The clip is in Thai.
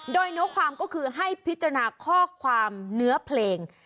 โดยเนื้อความก็คือให้พิจารณาข้อความเนื้อเพลง